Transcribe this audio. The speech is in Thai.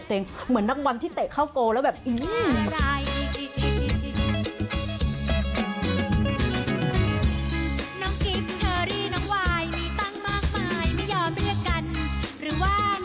ตัวเองเหมือนนักวันที่เตะข้าวโกแล้วแบบอื้อ